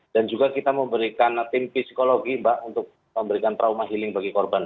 dan juga kita memberikan tim psikologi mbak untuk memberikan trauma healing bagi korbannya